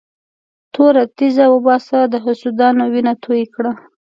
توره تېزه وباسه د حسودانو وینه توی کړه.